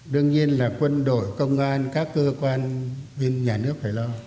đương nhiên là quân đội công an các cơ quan viên nhà nước phải lo